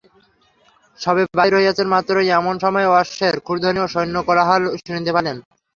সবে বাহির হইয়াছেন মাত্র, এমন সময়ে অশ্বের ক্ষুরধ্বনি ও সৈন্যদের কোলাহল শুনিতে পাইলেন।